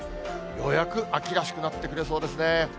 ようやく秋らしくなってくれそうですね。